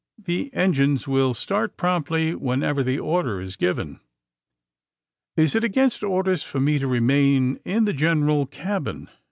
The engines will start promptly whenever the order is given." *^Is it against orders for me to remain in the general cabin?"